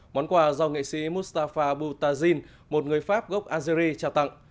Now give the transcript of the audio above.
món quà do nghệ sĩ moustapha boutazine một người pháp gốc algerie trao tặng